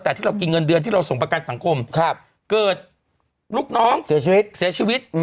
แต่ที่เรากินเงินเดือนที่เราส่งประกันสังคมเกิดลูกน้องเสียชีวิตเสียชีวิต